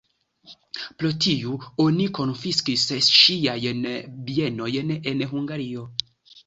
Pro tiu oni konfiskis ŝiajn bienojn en Hungario.